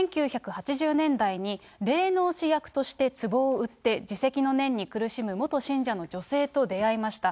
１９８０年代に、霊能師役としてつぼを売って自責の念に苦しむ元信者の女性と出会いました。